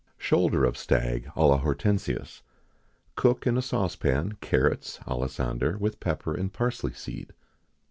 [XIX 54] Shoulder of Stag à l'Hortensius. Cook in a saucepan carrots, alisander, with pepper and parsley seed.